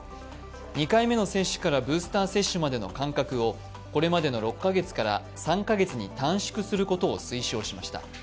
２回目の接種からブースター接種までの間隔をこれまでの６カ月から３カ月に短縮することを推奨しました。